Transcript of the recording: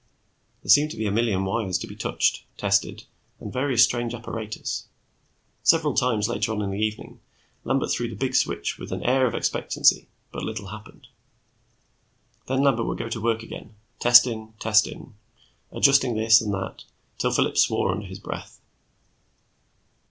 There seemed to be a million wires to be touched, tested, and various strange apparatus. Several times, later on in the evening. Lambert threw the big switch with an air of expectancy, but little happened. Then Lambert would go to work again, testing, testing adjusting this and that till Phillips swore under his breath.